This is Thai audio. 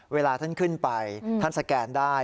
เวลาท่านขึ้นไปท่านสแกนได้